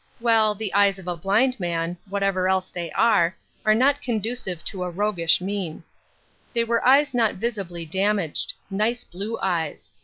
well, the eyes of a blind man, whatever else they are, are not conducive to a roguish mien. They were eyes not visibly damaged: nice blue eyes.